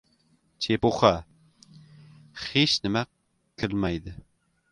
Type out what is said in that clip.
— Chepuxa! Xish nima kilmaydi.